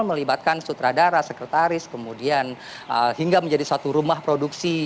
melibatkan sutradara sekretaris kemudian hingga menjadi satu rumah produksi